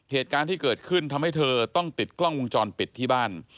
เหตุการณ์ที่เกิดขึ้นทำให้เธอต้องติดกล้องวงจรปิดที่บ้าน